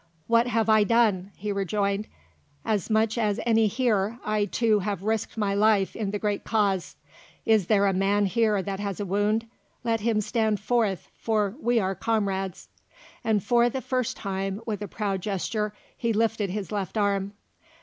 "What have I done?" he rejoined. "As much as any here. I too have risked my life in the great cause. Is there a man here that has a wound? Let him stand forth, for we are comrades." And for the first time, with a proud gesture, he lifted his left arm.